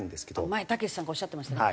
前たけしさんがおっしゃってましたね。